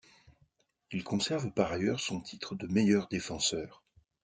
Il conserve par ailleurs son titre de meilleur défenseur.